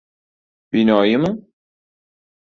Binoyimi?